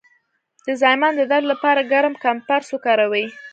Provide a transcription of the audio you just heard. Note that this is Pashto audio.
د زایمان د درد لپاره ګرم کمپرس وکاروئ